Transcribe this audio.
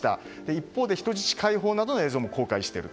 一方で人質解放などの映像も公開している。